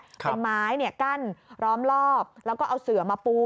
เป็นไม้กั้นล้อมรอบแล้วก็เอาเสือมาปู